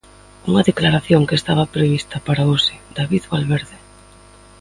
Unha declaración que estaba prevista para hoxe, David Valverde.